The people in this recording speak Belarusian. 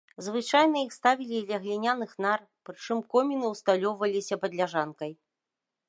Звычайна іх ставілі ля гліняных нар, прычым коміны ўсталёўваліся пад ляжанкай.